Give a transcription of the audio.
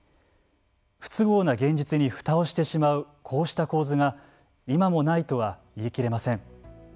不都合な現実にふたをしてしまうこうした構図が今もないとは言い切れません。